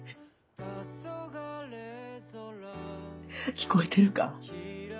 聞こえてるか？